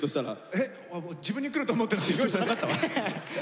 え自分にくると思ってなくて用意してなかったわ。